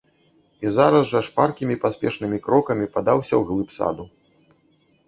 І зараз жа шпаркімі паспешнымі крокамі падаўся ў глыб саду.